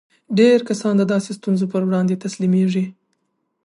ډېر کسان د داسې ستونزو پر وړاندې تسليمېږي.